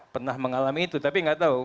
pernah mengalami itu tapi nggak tahu